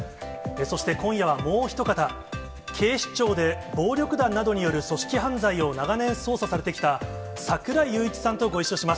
そして、今夜はもう一方、警視庁で暴力団などによる組織犯罪を長年捜査されてきた、櫻井裕一さんとご一緒します。